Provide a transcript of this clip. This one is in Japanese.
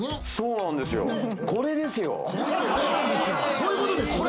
こういうことですよね？